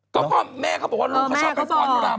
ก็แม่เขาบอกว่าลูกเขาชอบไปฟ้อนรำ